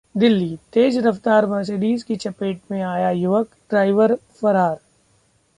दिल्लीः तेज रफ्तार मर्सिडीज की चपेट में आया युवक, ड्राइवर फरार